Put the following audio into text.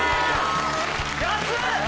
安っ！